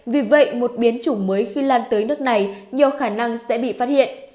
vì vậy một biến chủng mới khi lan tới nước này nhiều khả năng sẽ bị phát hiện